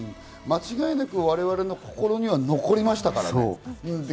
間違いなく我々の心には残りましたからね。